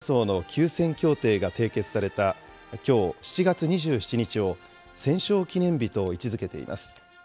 北朝鮮は７０年前に、朝鮮戦争の休戦協定が締結された、きょう７月２７日を戦勝記念日と位置づけています。